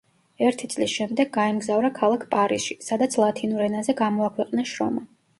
ერთი წლის შემდეგ გაემგზავრა ქალაქ პარიზში, სადაც ლათინურ ენაზე გამოაქვეყნა შრომა.